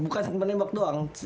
bukan menembak doang